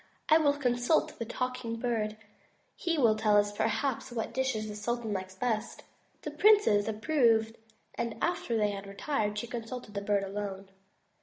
"I will consult the Talking Bird. He will tell us perhaps what dishes the sultan likes best." The princes approved and after they retired, she consulted the Bird alone.